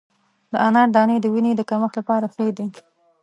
د انار دانې د وینې د کمښت لپاره ښه دي.